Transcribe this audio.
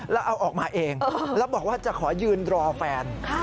แล้วเอาออกมาเองแล้วบอกว่าจะขอยืนรอแฟน